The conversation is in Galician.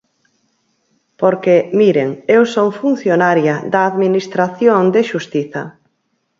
Porque, miren, eu son funcionaria da Administración de xustiza.